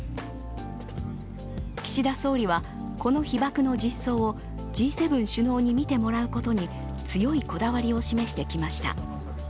岸田総理はこの被爆の実相をＧ７首脳に見てもらうことを強いこだわりを示してきました。